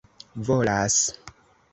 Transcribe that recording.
volas